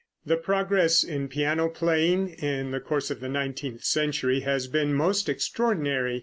The progress in piano playing, in the course of the nineteenth century has been most extraordinary.